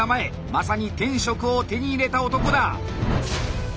まさに天職を手に入れた男だ。